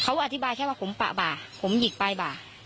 เขาอธิบายแค่ว่าผมปะบ่าผมหยิกปลายบ่า